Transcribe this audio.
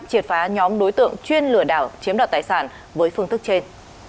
triệt phá nhóm đối tượng chuyên lửa đảo chiếm đoạt tài sản với phương thức trên